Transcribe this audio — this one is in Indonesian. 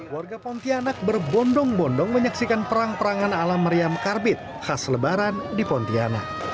berita terkini mengenai perayaan meriam karbit di kalimantan